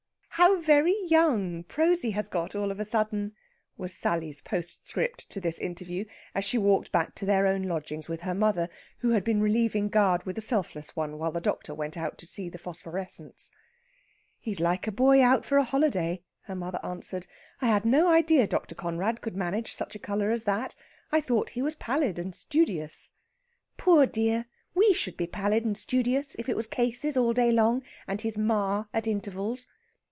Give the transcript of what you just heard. "How very young Prosy has got all of a sudden!" was Sally's postscript to this interview, as she walked back to their own lodgings with her mother, who had been relieving guard with the selfless one while the doctor went out to see the phosphorescence. "He's like a boy out for a holiday," her mother answered. "I had no idea Dr. Conrad could manage such a colour as that; I thought he was pallid and studious." "Poor dear. We should be pallid and studious if it was cases all day long, and his ma at intervals."